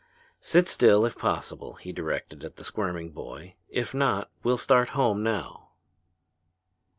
"Sit still, if possible!" he directed the squirming boy. "If not, we'll start home now."